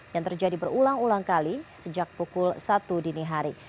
yang terjadi berulang ulang kali sejak pukul satu dini hari